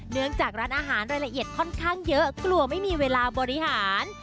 เนื่องจากร้านอาหารรายละเอียดค่อนข้างเยอะกลัวไม่มีเวลาบริหาร